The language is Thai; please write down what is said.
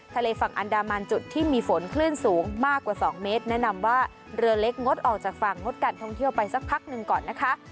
ทะเลฝั่งอันดามันจุดที่มีฝนคลื่นสูงมากกว่า๒เมตรแนะนำว่าเรือเล็กงดออกจากฝั่งงดการท่องเที่ยวไปสักพักหนึ่งก่อนนะคะ